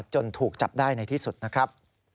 จนถูกจับได้ในที่สุดนะครับ